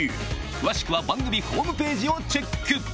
詳しくは番組ホームページをチェック